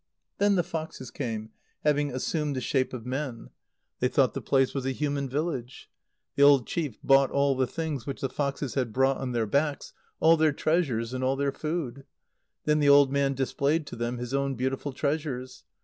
Then the foxes came, having assumed the shape of men. They thought the place was a human village. The old chief bought all the things which the foxes had brought on their backs, all their treasures and all their food. Then the old man displayed to them his own beautiful treasures.